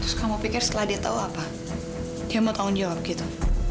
terus kamu pikir setelah dia tahu apa dia mau tanggung jawab gitu